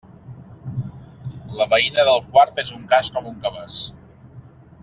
La veïna del quart és un cas com un cabàs.